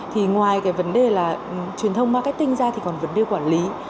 thì ngoài cái vấn đề là truyền thông marketing ra thì còn vấn đề quản lý